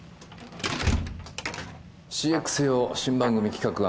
ＣＸ用新番組企画案